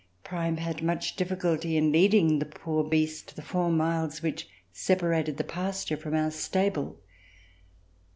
Prime had much difficulty in leading the poor beast the four miles which separated the pasture from our stable.